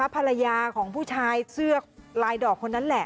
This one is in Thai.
ภรรยาของผู้ชายเสื้อลายดอกคนนั้นแหละ